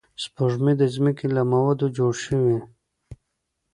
سپوږمۍ د ځمکې له موادو جوړه شوې